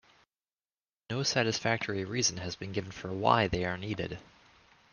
No satisfactory reason has been given for "why" they are needed.